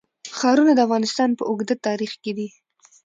ښارونه د افغانستان په اوږده تاریخ کې دي.